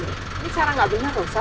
ini cara gak benar elsa